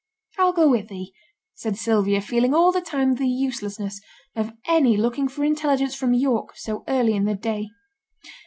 'I'll go wi' thee,' said Sylvia, feeling all the time the uselessness of any looking for intelligence from York so early in the day.